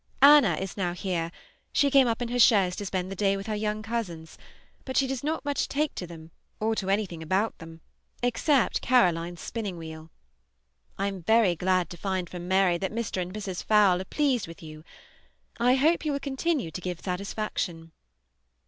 Anna is now here; she came up in her chaise to spend the day with her young cousins, but she does not much take to them or to anything about them, except Caroline's spinning wheel. I am very glad to find from Mary that Mr. and Mrs. Fowle are pleased with you. I hope you will continue to give satisfaction.